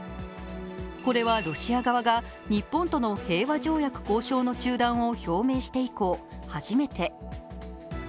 これはロシア側が日本との平和条約交渉の中断を表明して以降初めて。